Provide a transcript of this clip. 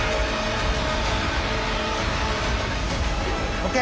ＯＫ？